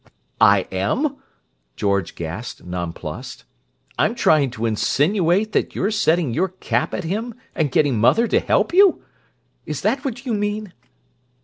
"I am?" George gasped, nonplussed. "I'm trying to insinuate that you're setting your cap at him and getting mother to help you? Is that what you mean?"